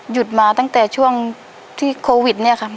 หยุดมาตั้งแต่ช่วงที่โควิดเนี่ยครับ